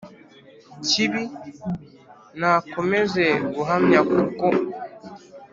kibi nakomeza guhamya kongukunda